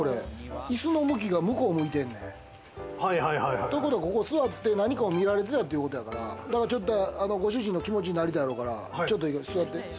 イスの向きが向こう向いてんねん。ってことは、ここに座って何かを見られてっていうことやから、ちょっと、ご主人の気持ちになりたいやろうから、ちょっと１回座って。